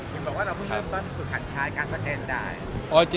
คุณบอกว่าเราไม่ใช่ต้นสุขันใช้การประเทศได้